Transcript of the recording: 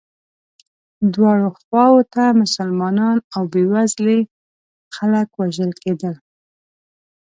دواړو خواوو ته مسلمانان او بیوزلي خلک وژل کېدل.